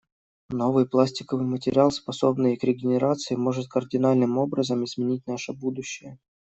Новый пластиковый материал, способный к регенерации, может кардинальным образом изменить наше будущее.